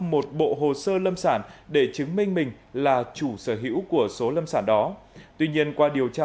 một bộ hồ sơ lâm sản để chứng minh mình là chủ sở hữu của số lâm sản đó tuy nhiên qua điều tra